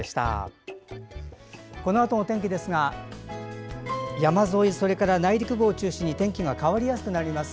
このあとのお天気ですが山沿い、それから内陸部を中心に天気が変わりやすくなります。